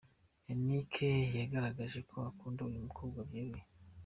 Yannick yagaragaje ko akunda uyu mukobwa byeruye.